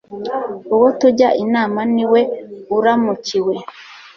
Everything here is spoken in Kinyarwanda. uwo tujya inama ni we uramukiwe